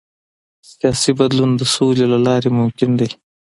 سیاسي بدلون د سولې له لارې ممکن دی